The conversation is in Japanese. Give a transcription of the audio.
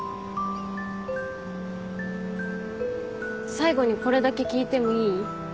最後にこれだけ聞いてもいい？